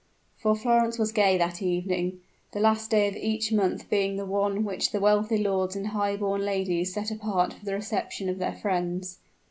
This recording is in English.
For Florence was gay that evening the last day of each month being the one which the wealthy lords and high born ladies set apart for the reception of their friends.